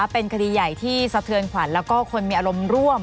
เป็นคดีใหญ่ที่สะเทือนขวัญแล้วก็คนมีอารมณ์ร่วม